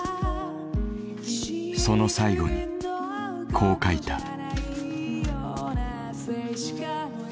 その最後にこう書いた。